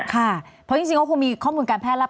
ค่ะเพราะจริงว่าคงมีข้อมูลการแพ้รับ